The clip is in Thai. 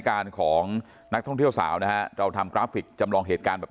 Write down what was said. การของนักท่องเที่ยวสาวนะฮะเราทำกราฟิกจำลองเหตุการณ์แบบ